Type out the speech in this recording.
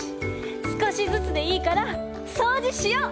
すこしずつでいいからそうじしよ！